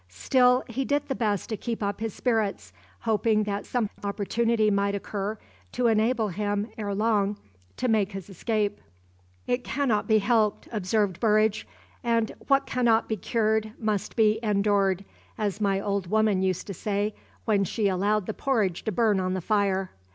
Still he did the best to keep up his spirits, hoping that some opportunity might occur to enable him ere long to make his escape. "It cannot be helped," observed Burridge, "and `what cannot be cured, must be endured,' as my old woman used to say when she allowed the porridge to burn on the fire.